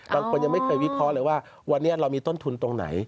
บางคนยังไม่เคยวิเคราะห์เลยว่าวันนี้เรามีต้นทุนตรงไหน